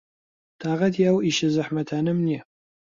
تاقەتی ئەو ئیشە زەحمەتانەم نییە.